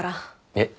えっ？